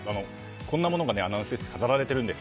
こんなものがアナウンス室に飾られています。